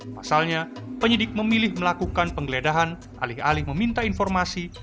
pasalnya penyidik memilih melakukan penggeledahan alih alih meminta informasi